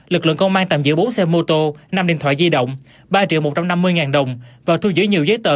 lực lượng công an tạm giữ bốn xe mô tô năm điện thoại di động ba triệu một trăm năm mươi ngàn đồng và thu giữ nhiều giấy tờ